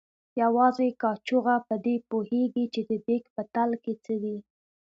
یوازې کاچوغه په دې پوهېږي چې د دیګ په تل کې څه دي.